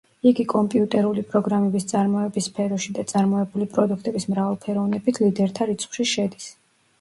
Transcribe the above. იგი კომპიუტერული პროგრამების წარმოების სფეროში და წარმოებული პროდუქტების მრავალფეროვნებით ლიდერთა რიცხვში შედის.